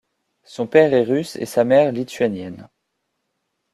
Son père est russe et sa mère lituanienne.